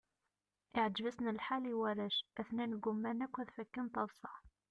Iɛǧeb-asen lḥal i warrac, atnan gguman akk ad fakken taḍsa.